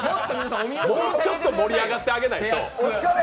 もうちょっと盛り上がってあげないと。